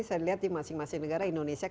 saya lihat di masing masing negara indonesia